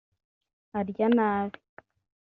arya nabi